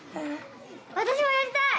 私もやりたい！